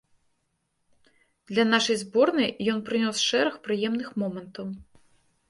Для нашай зборнай ён прынёс шэраг прыемных момантаў.